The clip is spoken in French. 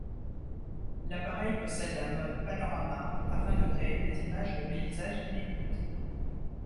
L'appareil possède un mode Panorama afin de créer des images de paysages inédites.